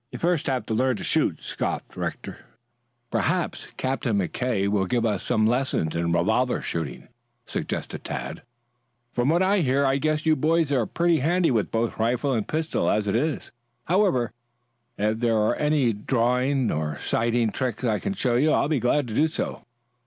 "You'd have to learn to shoot first," scoffed Rector. "Perhaps Captain McKay will give us some lessons in revolver shooting," suggested Tad. "From what I hear I guess you boys are pretty handy with both rifle and pistol as it is. However, if there are any drawing or sighting tricks I can show you I'll be glad to do so."